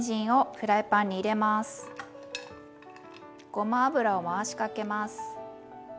ごま油を回しかけます。